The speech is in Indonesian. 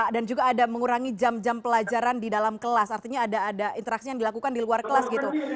dan juga ada mengurangi jam jam pelajaran di dalam kelas artinya ada interaksi yang dilakukan di luar kelas gitu